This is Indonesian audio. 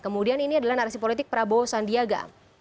kemudian ini adalah narasi politik prabowo sandiaga